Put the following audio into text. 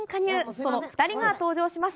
その２人が登場します。